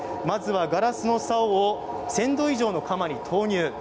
まずはガラスのさおを１０００度以上の窯に投入。